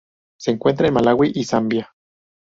Se encuentra en Malaui y Zambia.